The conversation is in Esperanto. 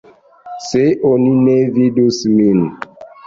Se oni ne vidus min.